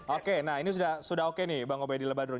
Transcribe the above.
oke nah ini sudah oke nih bang obedil badrun